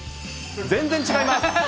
全然違います。